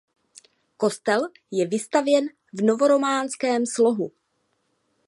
Kostel je vystavěn v novorománském slohu.